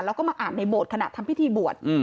แล้วก็มาอ่านในโบสถ์ขณะทำพิธีบวช